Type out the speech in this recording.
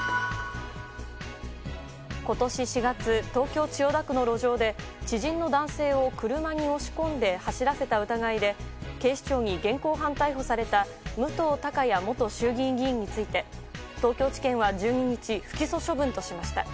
ことし４月、東京・千代田区の路上で、知人の男性を車に押し込んで走らせた疑いで、警視庁に現行犯逮捕された武藤貴也元衆議院議員について、東京地検は１２日、不起訴処分としました。